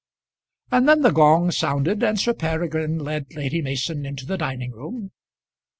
And then the gong sounded, and, Sir Peregrine led Lady Mason into the dining room.